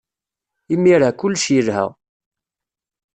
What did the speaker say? Imir-a, kullec yelha.